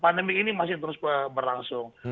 pandemi ini masih terus berlangsung